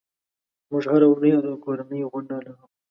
موږ هره اونۍ د کورنۍ غونډه لرو.